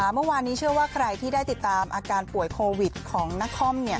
เมื่อวานนี้เชื่อว่าใครที่ได้ติดตามอาการป่วยโควิดของนคร